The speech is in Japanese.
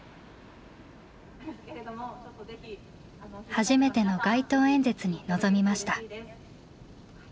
初めての街頭演説に臨みました。